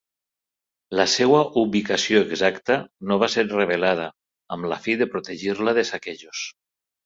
La seva ubicació exacta no va ser revelada, amb la fi de protegir-la de saquejos.